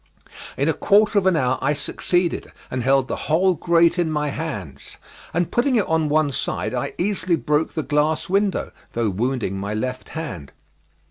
In a quarter of an hour I succeeded, and held the whole grate in my hands, and putting it on one side I easily broke the glass window, though wounding my left hand.